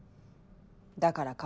だから顔。